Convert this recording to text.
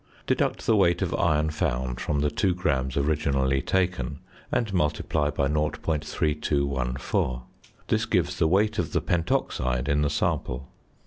Deduct the weight of iron found from the 2 grams originally taken, and multiply by 0.3214. This gives the weight of the pentoxide in the sample.